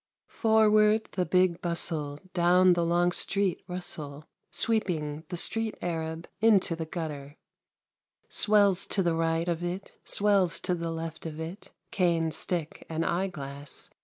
Forward the Big Bustle ! Down the long street rustle. Sweeping the street Arab Into the gutter ; Swells to the right of it, Swells to the left of it, Cane, stick, and eyeglass.